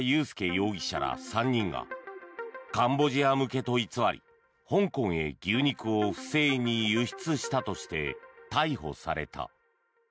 容疑者ら３人がカンボジア向けと偽り香港へ牛肉を不正に輸出したとして逮捕された。